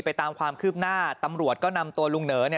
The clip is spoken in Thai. ตามความคืบหน้าตำรวจก็นำตัวลุงเหนอ